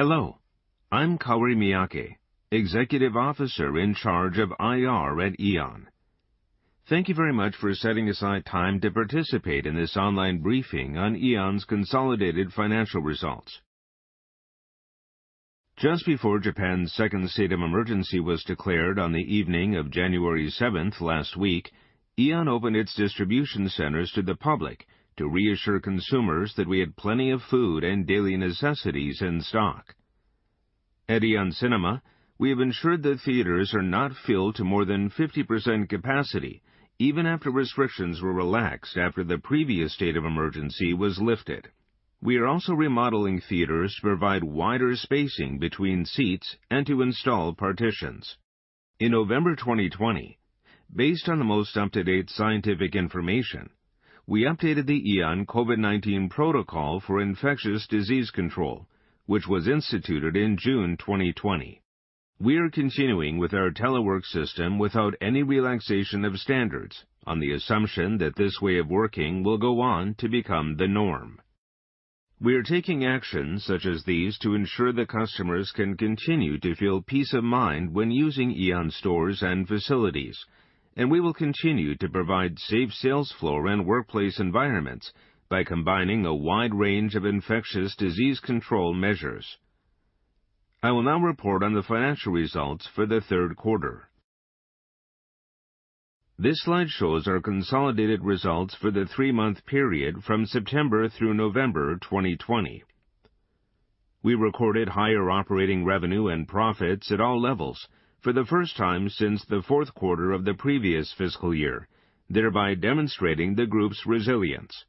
Hello. I'm Kahori Miyake, Executive Officer in charge of IR at Aeon. Thank you very much for setting aside time to participate in this online briefing on Aeon's consolidated financial results. Just before Japan's second state of emergency was declared on the evening of January 7th last week, Aeon opened its distribution centers to the public to reassure consumers that we had plenty of food and daily necessities in stock. At Aeon Cinema, we have ensured that theaters are not filled to more than 50% capacity even after restrictions were relaxed after the previous state of emergency was lifted. We are also remodeling theaters to provide wider spacing between seats and to install partitions. In November 2020, based on the most up-to-date scientific information, we updated the Aeon COVID-19 protocol for infectious disease control, which was instituted in June 2020. We are continuing with our telework system without any relaxation of standards on the assumption that this way of working will go on to become the norm. We are taking actions such as these to ensure that customers can continue to feel peace of mind when using Aeon stores and facilities, and we will continue to provide safe sales floor and workplace environments by combining a wide range of infectious disease control measures. I will now report on the financial results for the third quarter. This slide shows our consolidated results for the three-month period from September through November 2020. We recorded higher operating revenue and profits at all levels for the first time since the fourth quarter of the previous fiscal year, thereby demonstrating the group's resilience.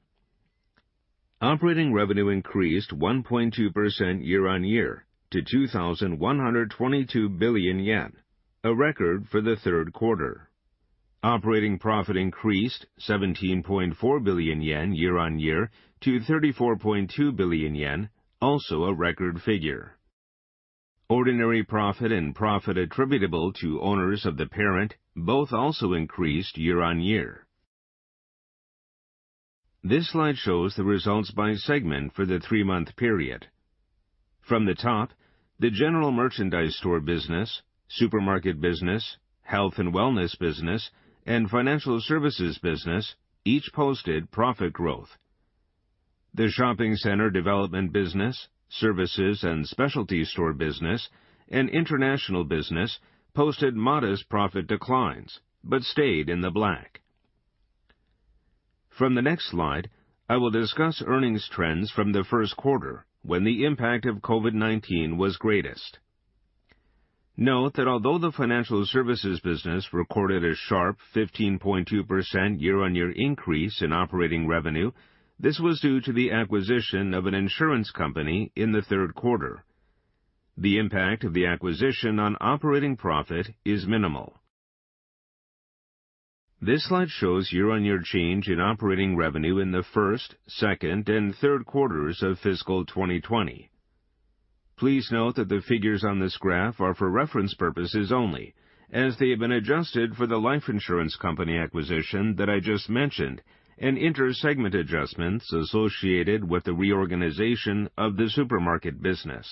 Operating revenue increased 1.2% year-on-year to 2,122 billion yen, a record for the third quarter. Operating profit increased 17.4 billion yen year-on-year to 34.2 billion yen, also a record figure. Ordinary profit and profit attributable to owners of the parent both also increased year-on-year. This slide shows the results by segment for the three-month period. From the top, the general merchandise store business, supermarket business, health and wellness business, and financial services business each posted profit growth. The shopping center development business, services and specialty store business, and international business posted modest profit declines but stayed in the black. From the next slide, I will discuss earnings trends from the first quarter, when the impact of COVID-19 was greatest. Note that although the financial services business recorded a sharp 15.2% year-on-year increase in operating revenue, this was due to the acquisition of an insurance company in the third quarter. The impact of the acquisition on operating profit is minimal. This slide shows year-on-year change in operating revenue in the first, second, and third quarters of fiscal 2020. Please note that the figures on this graph are for reference purposes only, as they have been adjusted for the life insurance company acquisition that I just mentioned and inter-segment adjustments associated with the reorganization of the supermarket business.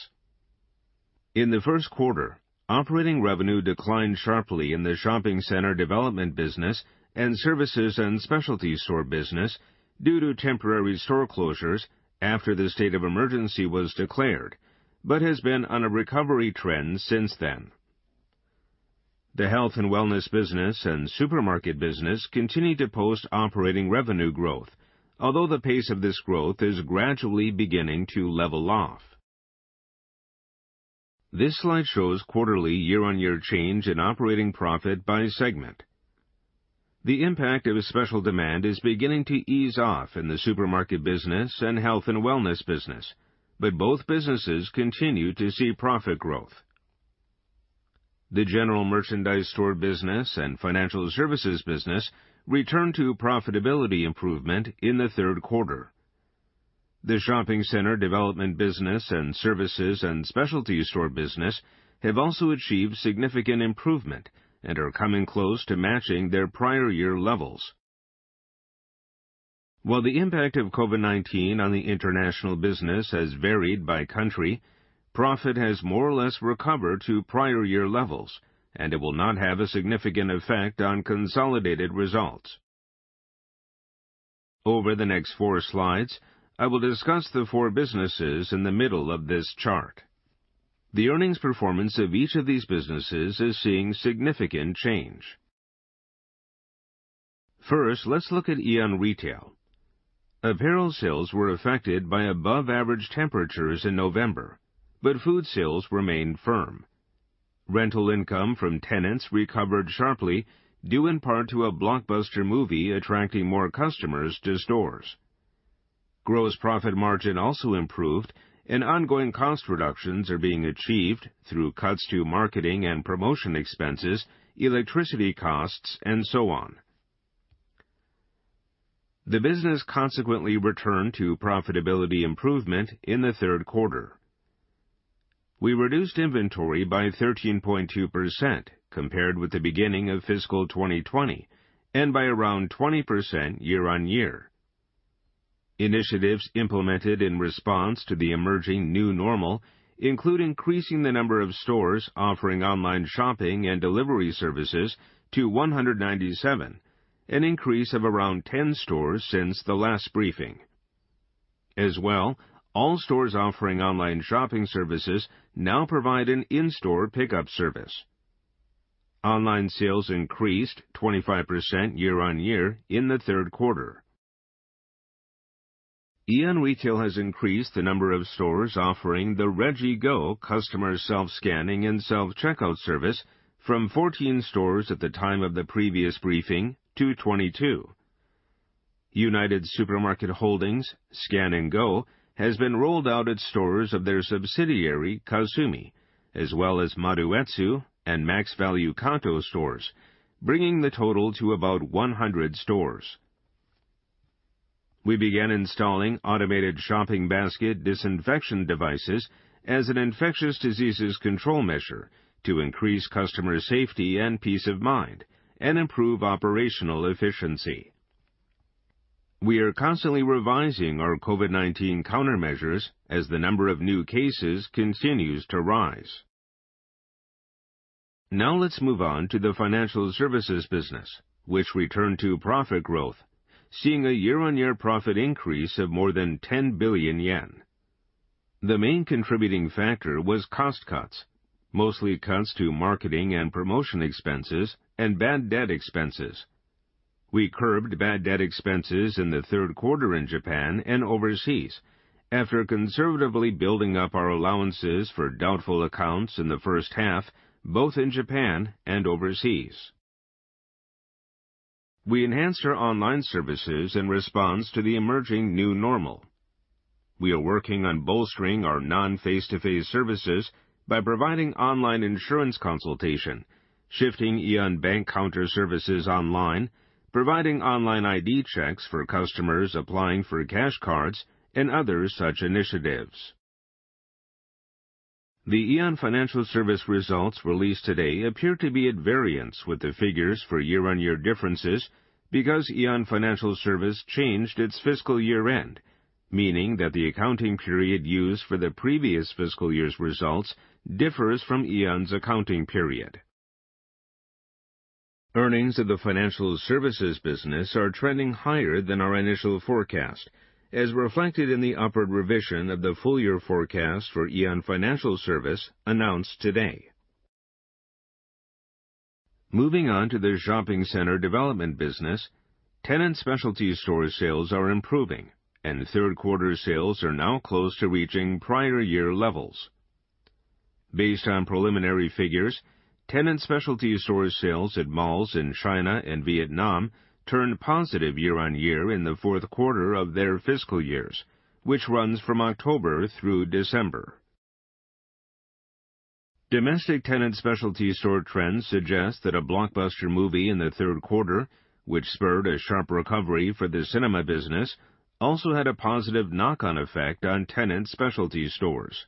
In the first quarter, operating revenue declined sharply in the shopping center development business and services and specialty store business due to temporary store closures after the state of emergency was declared, but has been on a recovery trend since then. The health and wellness business and supermarket business continued to post operating revenue growth, although the pace of this growth is gradually beginning to level off. This slide shows quarterly year-on-year change in operating profit by segment. The impact of a special demand is beginning to ease off in the supermarket business and health and wellness business, but both businesses continue to see profit growth. The general merchandise store business and financial services business returned to profitability improvement in the third quarter. The shopping center development business and services and specialty store business have also achieved significant improvement and are coming close to matching their prior year levels. While the impact of COVID-19 on the international business has varied by country, profit has more or less recovered to prior year levels, and it will not have a significant effect on consolidated results. Over the next four slides, I will discuss the four businesses in the middle of this chart. The earnings performance of each of these businesses is seeing significant change. First, let's look at Aeon Retail. Apparel sales were affected by above-average temperatures in November, but food sales remained firm. Rental income from tenants recovered sharply, due in part to a blockbuster movie attracting more customers to stores. Gross profit margin also improved, and ongoing cost reductions are being achieved through cuts to marketing and promotion expenses, electricity costs, and so on. The business consequently returned to profitability improvement in the third quarter. We reduced inventory by 13.2% compared with the beginning of fiscal 2020, and by around 20% year-on-year. Initiatives implemented in response to the emerging new normal include increasing the number of stores offering online shopping and delivery services to 197, an increase of around 10 stores since the last briefing. As well, all stores offering online shopping services now provide an in-store pickup service. Online sales increased 25% year-on-year in the third quarter. Aeon Retail has increased the number of stores offering the Regi-Go customer self-scanning and self-checkout service from 14 stores at the time of the previous briefing to 22. United Super Markets Holdings' Scan&Go has been rolled out at stores of their subsidiary, Kasumi, as well as Maruetsu and MaxValu Kanto stores, bringing the total to about 100 stores. We began installing automated shopping basket disinfection devices as an infectious diseases control measure to increase customer safety and peace of mind, and improve operational efficiency. We are constantly revising our COVID-19 countermeasures as the number of new cases continues to rise. Let's move on to the financial services business, which returned to profit growth, seeing a year-on-year profit increase of more than 10 billion yen. The main contributing factor was cost cuts, mostly cuts to marketing and promotion expenses and bad debt expenses. We curbed bad debt expenses in the third quarter in Japan and overseas after conservatively building up our allowances for doubtful accounts in the first half, both in Japan and overseas. We enhanced our online services in response to the emerging new normal. We are working on bolstering our non-face-to-face services by providing online insurance consultation, shifting Aeon Bank counter services online, providing online ID checks for customers applying for cash cards, and other such initiatives. The Aeon Financial Service results released today appear to be at variance with the figures for year-on-year differences because Aeon Financial Service changed its fiscal year-end, meaning that the accounting period used for the previous fiscal year's results differs from Aeon's accounting period. Earnings of the financial services business are trending higher than our initial forecast, as reflected in the upward revision of the full-year forecast for Aeon Financial Service announced today. Moving on to the shopping center development business, tenant specialty store sales are improving, and third-quarter sales are now close to reaching prior year levels. Based on preliminary figures, tenant specialty store sales at malls in China and Vietnam turned positive year-on-year in the fourth quarter of their fiscal years, which runs from October through December. Domestic tenant specialty store trends suggest that a blockbuster movie in the third quarter, which spurred a sharp recovery for the cinema business, also had a positive knock-on effect on tenant specialty stores.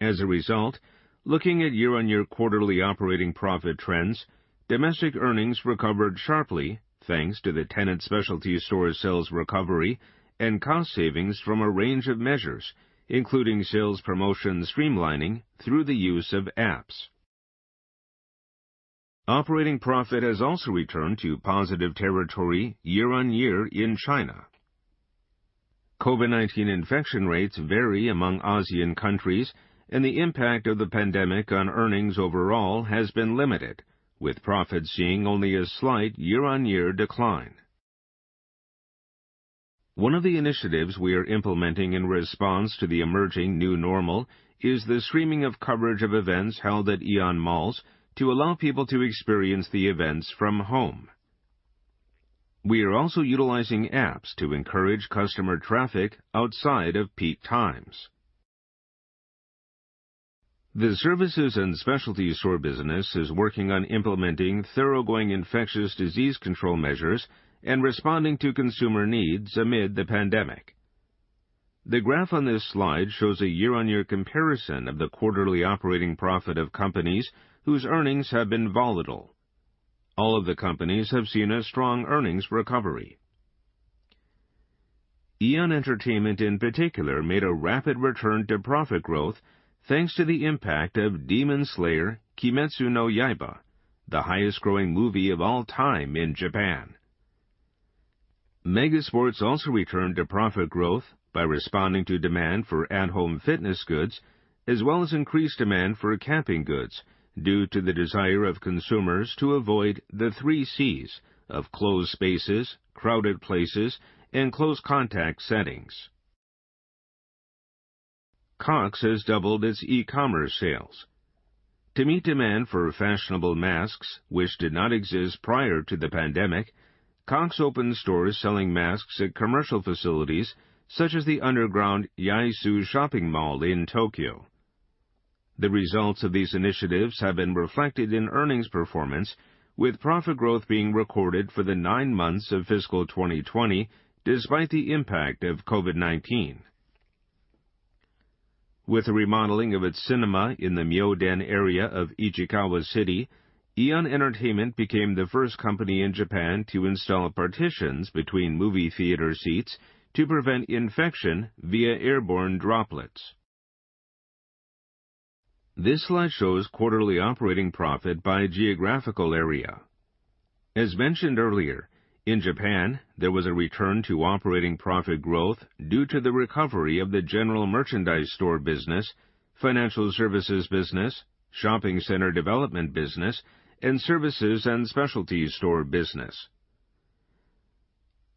As a result, looking at year-on-year quarterly operating profit trends, domestic earnings recovered sharply, thanks to the tenant specialty store sales recovery and cost savings from a range of measures, including sales promotion streamlining through the use of apps. Operating profit has also returned to positive territory year-on-year in China. COVID-19 infection rates vary among ASEAN countries, and the impact of the pandemic on earnings overall has been limited, with profits seeing only a slight year-on-year decline. One of the initiatives we are implementing in response to the emerging new normal is the streaming of coverage of events held at Aeon Malls to allow people to experience the events from home. We are also utilizing apps to encourage customer traffic outside of peak times. The services and specialty store business is working on implementing thoroughgoing infectious disease control measures and responding to consumer needs amid the pandemic. The graph on this slide shows a year-on-year comparison of the quarterly operating profit of companies whose earnings have been volatile. All of the companies have seen a strong earnings recovery. Aeon Entertainment, in particular, made a rapid return to profit growth thanks to the impact of "Demon Slayer: Kimetsu no Yaiba," the highest-grossing movie of all time in Japan. Mega Sports also returned to profit growth by responding to demand for at-home fitness goods, as well as increased demand for camping goods due to the desire of consumers to avoid the Three Cs of closed spaces, crowded places, and close contact settings. Cox has doubled its e-commerce sales. To meet demand for fashionable masks, which did not exist prior to the pandemic, Cox opened stores selling masks at commercial facilities such as the underground Yaesu shopping mall in Tokyo. The results of these initiatives have been reflected in earnings performance, with profit growth being recorded for the nine months of fiscal 2020 despite the impact of COVID-19. With the remodeling of its cinema in the Myoden area of Ichikawa City, Aeon Entertainment became the first company in Japan to install partitions between movie theater seats to prevent infection via airborne droplets. This slide shows quarterly operating profit by geographical area. As mentioned earlier, in Japan, there was a return to operating profit growth due to the recovery of the general merchandise store business, financial services business, shopping center development business, and services and specialty store business.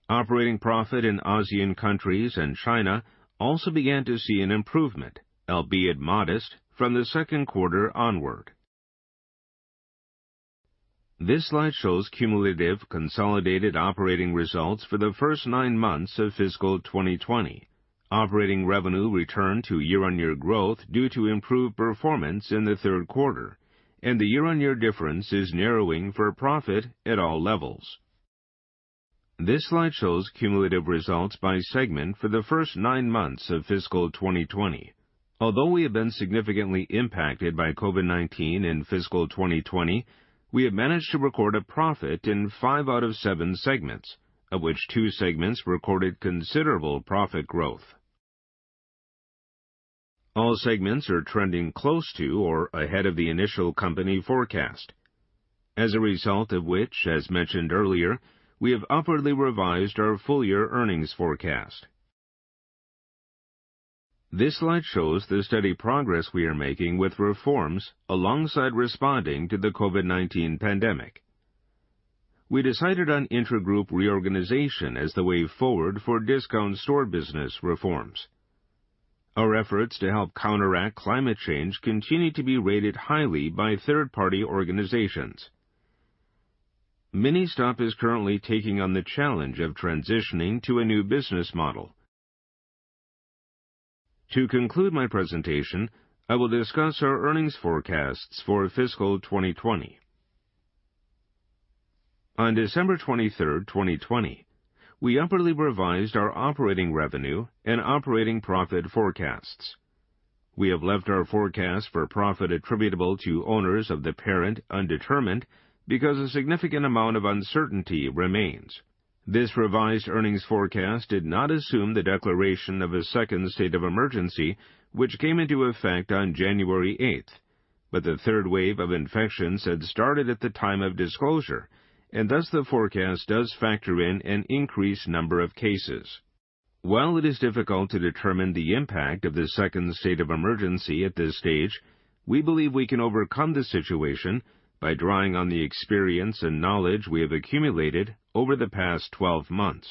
Operating profit in ASEAN countries and China also began to see an improvement, albeit modest, from the second quarter onward. This slide shows cumulative consolidated operating results for the first nine months of fiscal 2020. Operating revenue returned to year-on-year growth due to improved performance in the third quarter, and the year-on-year difference is narrowing for profit at all levels. This slide shows cumulative results by segment for the first nine months of fiscal 2020. Although we have been significantly impacted by COVID-19 in fiscal 2020, we have managed to record a profit in five out of seven segments, of which two segments recorded considerable profit growth. All segments are trending close to or ahead of the initial company forecast. As a result of which, as mentioned earlier, we have upwardly revised our full-year earnings forecast. This slide shows the steady progress we are making with reforms alongside responding to the COVID-19 pandemic. We decided on intragroup reorganization as the way forward for discount store business reforms. Our efforts to help counteract climate change continue to be rated highly by third-party organizations. Ministop is currently taking on the challenge of transitioning to a new business model. To conclude my presentation, I will discuss our earnings forecasts for fiscal 2020. On December 23rd, 2020, we upwardly revised our operating revenue and operating profit forecasts. We have left our forecast for profit attributable to owners of the parent undetermined because a significant amount of uncertainty remains. This revised earnings forecast did not assume the declaration of a second state of emergency, which came into effect on January 8th, but the third wave of infections had started at the time of disclosure, and thus the forecast does factor in an increased number of cases. While it is difficult to determine the impact of the second state of emergency at this stage, we believe we can overcome the situation by drawing on the experience and knowledge we have accumulated over the past 12 months.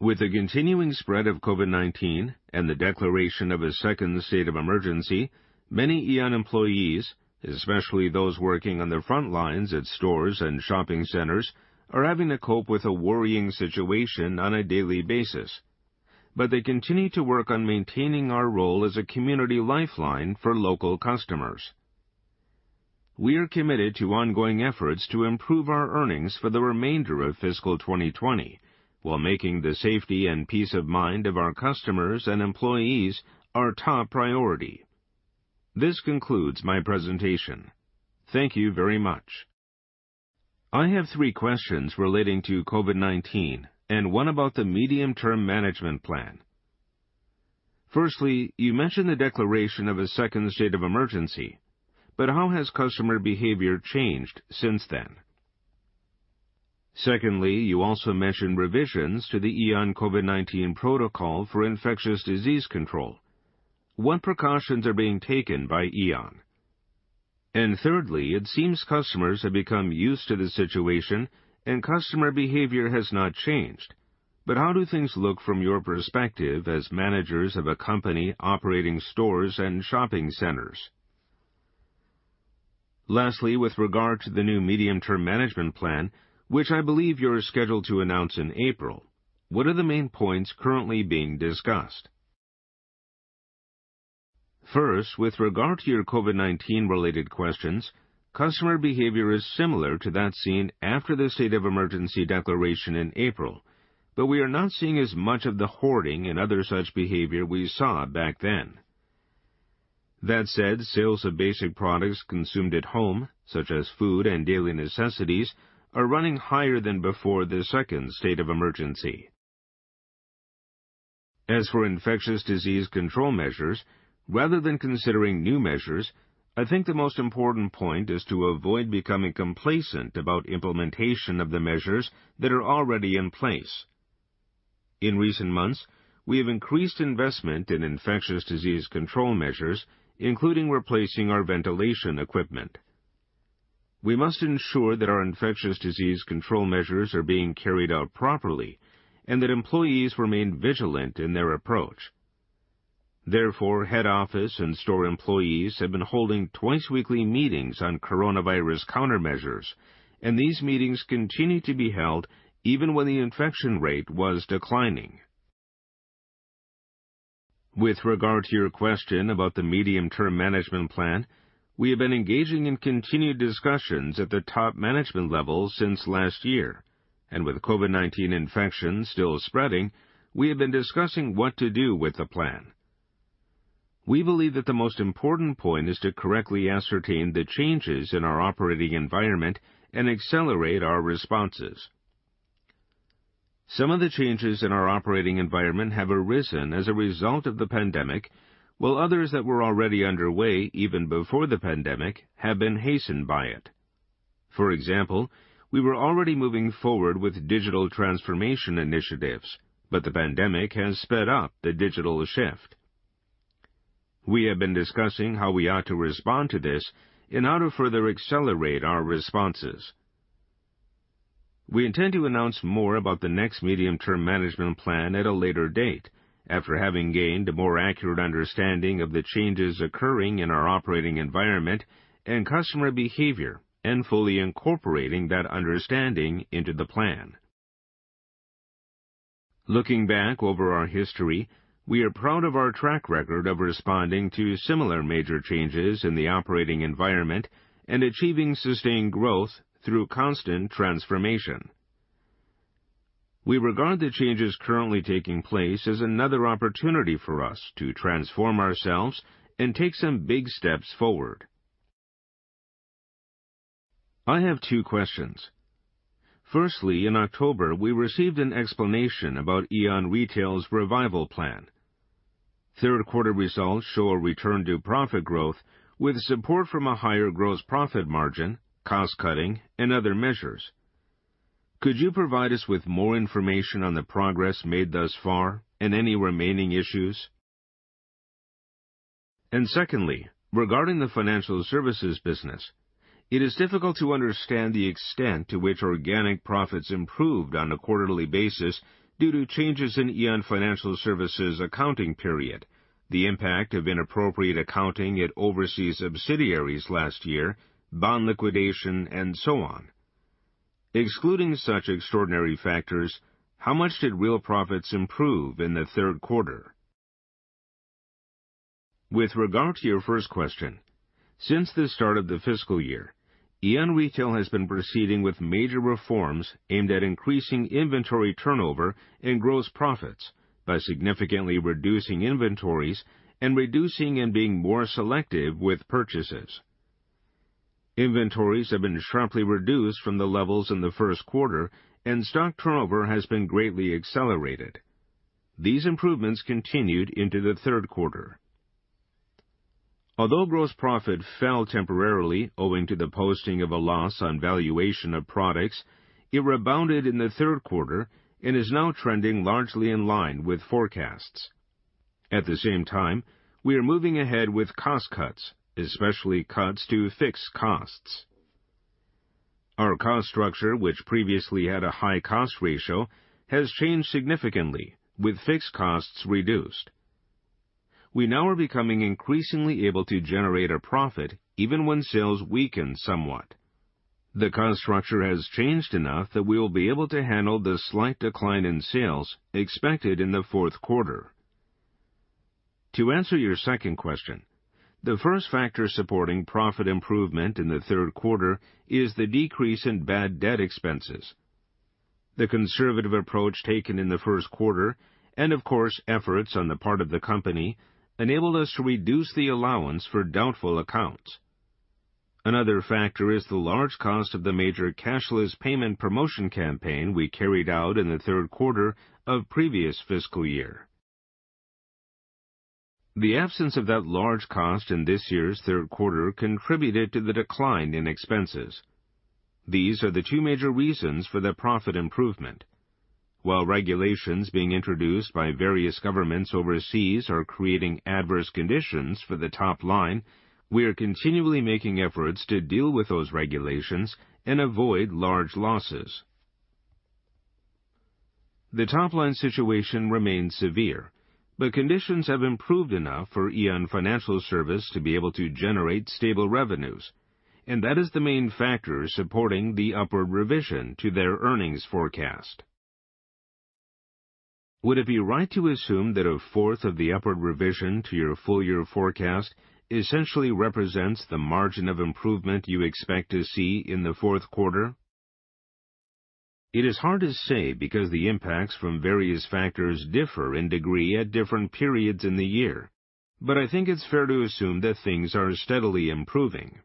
With the continuing spread of COVID-19 and the declaration of a second state of emergency, many Aeon employees, especially those working on the front lines at stores and shopping centers, are having to cope with a worrying situation on a daily basis. They continue to work on maintaining our role as a community lifeline for local customers. We are committed to ongoing efforts to improve our earnings for the remainder of fiscal 2020 while making the safety and peace of mind of our customers and employees our top priority. This concludes my presentation. Thank you very much. I have three questions relating to COVID-19 and one about the medium-term management plan. Firstly, you mentioned the declaration of a second state of emergency, how has customer behavior changed since then? Secondly, you also mentioned revisions to the Aeon COVID-19 protocol for infectious disease control. What precautions are being taken by Aeon? Thirdly, it seems customers have become used to the situation and customer behavior has not changed. How do things look from your perspective as managers of a company operating stores and shopping centers? Lastly, with regard to the new medium-term management plan, which I believe you're scheduled to announce in April, what are the main points currently being discussed? First, with regard to your COVID-19 related questions, customer behavior is similar to that seen after the state of emergency declaration in April, but we are not seeing as much of the hoarding and other such behavior we saw back then. That said, sales of basic products consumed at home, such as food and daily necessities, are running higher than before the second state of emergency. As for infectious disease control measures, rather than considering new measures, I think the most important point is to avoid becoming complacent about implementation of the measures that are already in place. In recent months, we have increased investment in infectious disease control measures, including replacing our ventilation equipment. We must ensure that our infectious disease control measures are being carried out properly and that employees remain vigilant in their approach. Therefore, head office and store employees have been holding twice-weekly meetings on coronavirus countermeasures, and these meetings continue to be held even when the infection rate was declining. With regard to your question about the medium-term management plan, we have been engaging in continued discussions at the top management level since last year. With COVID-19 infections still spreading, we have been discussing what to do with the plan. We believe that the most important point is to correctly ascertain the changes in our operating environment and accelerate our responses. Some of the changes in our operating environment have arisen as a result of the pandemic, while others that were already underway even before the pandemic have been hastened by it. For example, we were already moving forward with digital transformation initiatives, but the pandemic has sped up the digital shift. We have been discussing how we ought to respond to this and how to further accelerate our responses. We intend to announce more about the next medium-term management plan at a later date, after having gained a more accurate understanding of the changes occurring in our operating environment and customer behavior and fully incorporating that understanding into the plan. Looking back over our history, we are proud of our track record of responding to similar major changes in the operating environment and achieving sustained growth through constant transformation. We regard the changes currently taking place as another opportunity for us to transform ourselves and take some big steps forward. I have two questions. Firstly, in October, we received an explanation about Aeon Retail's revival plan. Third-quarter results show a return to profit growth with support from a higher gross profit margin, cost-cutting, and other measures. Could you provide us with more information on the progress made thus far and any remaining issues? Secondly, regarding the financial services business, it is difficult to understand the extent to which organic profits improved on a quarterly basis due to changes in Aeon Financial Services' accounting period, the impact of inappropriate accounting at overseas subsidiaries last year, bond liquidation, and so on. Excluding such extraordinary factors, how much did real profits improve in the third quarter? With regard to your first question, since the start of the fiscal year, Aeon Retail has been proceeding with major reforms aimed at increasing inventory turnover and gross profits by significantly reducing inventories and being more selective with purchases. Inventories have been sharply reduced from the levels in the first quarter, and stock turnover has been greatly accelerated. These improvements continued into the third quarter. Although gross profit fell temporarily owing to the posting of a loss on valuation of products, it rebounded in the third quarter and is now trending largely in line with forecasts. At the same time, we are moving ahead with cost cuts, especially cuts to fixed costs. Our cost structure, which previously had a high cost ratio, has changed significantly, with fixed costs reduced. We now are becoming increasingly able to generate a profit even when sales weaken somewhat. The cost structure has changed enough that we will be able to handle the slight decline in sales expected in the fourth quarter. To answer your second question, the first factor supporting profit improvement in the third quarter is the decrease in bad debt expenses. The conservative approach taken in the first quarter, and of course, efforts on the part of the company, enabled us to reduce the allowance for doubtful accounts. Another factor is the large cost of the major cashless payment promotion campaign we carried out in the third quarter of previous fiscal year. The absence of that large cost in this year's third quarter contributed to the decline in expenses. These are the two major reasons for the profit improvement. While regulations being introduced by various governments overseas are creating adverse conditions for the top line, we are continually making efforts to deal with those regulations and avoid large losses. The top-line situation remains severe, but conditions have improved enough for Aeon Financial Service to be able to generate stable revenues, and that is the main factor supporting the upward revision to their earnings forecast. Would it be right to assume that a fourth of the upward revision to your full-year forecast essentially represents the margin of improvement you expect to see in the fourth quarter? It is hard to say because the impacts from various factors differ in degree at different periods in the year. I think it's fair to assume that things are steadily improving.